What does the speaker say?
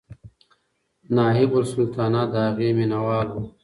نایبالسلطنه د هغې مینهوال و.